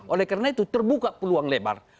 oleh karena itu terbuka peluang lebar